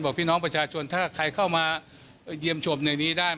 พี่น้องประชาชนถ้าใครเข้ามาเยี่ยมชมในนี้ได้